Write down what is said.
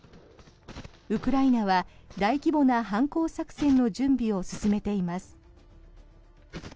ウクライナは大規模な反攻作戦の準備を進めています。